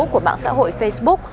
của mạng xã hội facebook